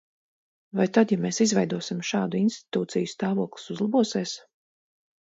Vai tad, ja mēs izveidosim šādu institūciju, stāvoklis uzlabosies?